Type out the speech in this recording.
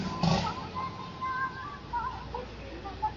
The climate of the area is continental humid.